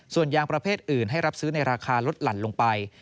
ส่วนยางประเภทอื่นให้รับซื้อในราคาลดหลั่นลงไป